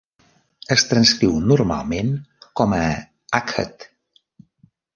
Es transcriu normalment com a Akhet.